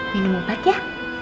minum obat ya